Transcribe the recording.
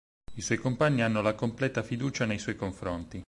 I suoi compagni hanno la completa fiducia nei suoi confronti.